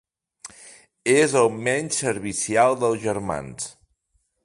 És el menys servicial dels germans.